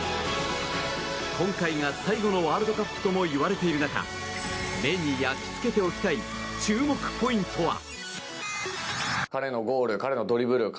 今回が最後のワールドカップともいわれている中目に焼き付けておきたい注目ポイントは？